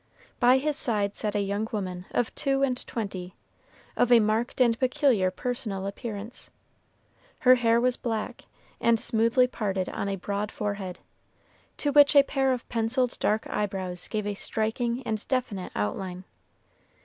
By his side sat a young woman of two and twenty, of a marked and peculiar personal appearance. Her hair was black, and smoothly parted on a broad forehead, to which a pair of penciled dark eyebrows gave a striking and definite outline.